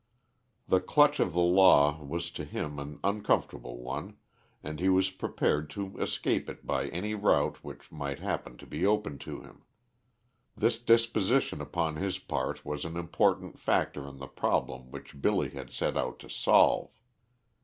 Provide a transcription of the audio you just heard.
The clutch of the law was to him an uncomfortable one, and he was prepared to escape it by any route which might happen to be open to him. This disposition upon his part was an important factor in the problem which Billy had set out to solve.